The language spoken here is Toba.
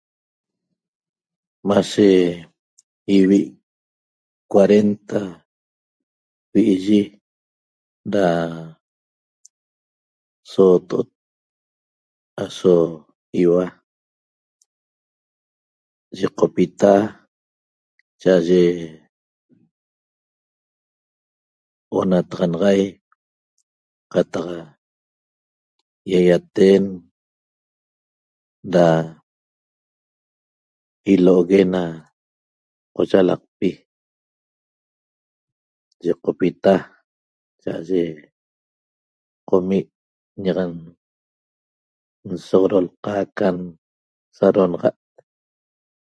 Mashe ivi' cuarenta vi'iyi da sooto'ot aso iua yiqopita cha'aye onataxanaxai qataq ýaýaten da ilo'ogue na qoyalaqpi yiqopita cha'aye qomi' ñaq nsoxodolqa can sadonaxa't